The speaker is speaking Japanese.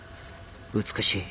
美しい。